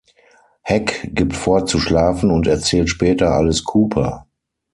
Heck gibt vor zu schlafen und erzählt später alles Cooper.